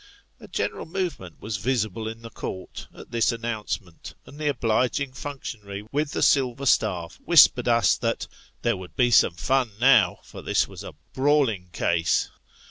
A general movement was visible in the Court, at this announcement, and the obliging functionary with silver staff whispered us that " there would bo some fun now, for this was a brawling case."